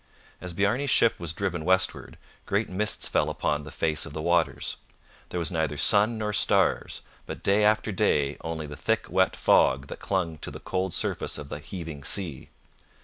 As Bjarne's ship was driven westward, great mists fell upon the face of the waters. There was neither sun nor stars, but day after day only the thick wet fog that clung to the cold surface of the heaving sea.